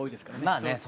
まあね。